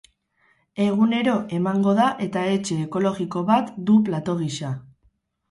Egunero emango da eta etxe ekologiko bat du plato gisa.